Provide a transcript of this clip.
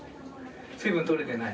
水分とれてない？